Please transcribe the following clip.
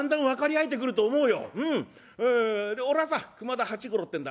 で俺はさ熊田八五郎ってんだ。